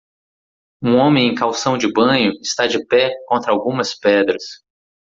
Um homem em calção de banho está de pé contra algumas pedras.